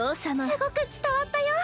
すごく伝わったよ。